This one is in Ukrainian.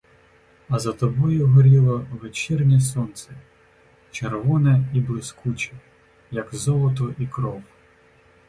А за тобою горіло вечірнє сонце, червоне і блискуче, як золото і кров.